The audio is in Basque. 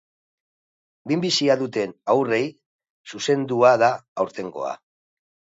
Minbizia duten haurrei zuzendua da aurtengoa.